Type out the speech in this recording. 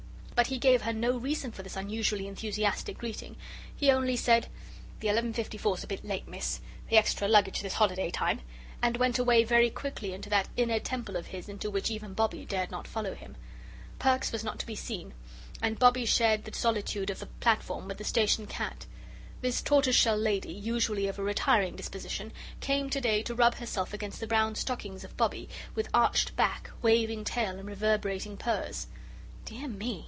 But he gave her no reason for this unusually enthusiastic greeting. He only said: "The 11.54's a bit late, Miss the extra luggage this holiday time," and went away very quickly into that inner Temple of his into which even Bobbie dared not follow him. Perks was not to be seen, and Bobbie shared the solitude of the platform with the Station Cat. This tortoiseshell lady, usually of a retiring disposition, came to day to rub herself against the brown stockings of Bobbie with arched back, waving tail, and reverberating purrs. "Dear me!"